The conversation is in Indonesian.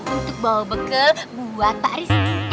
untuk bawa bekal buat pak rizky